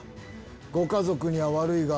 ご家族には悪いが